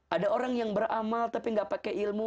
ada orang yang beramal tapi nggak pakai ilmu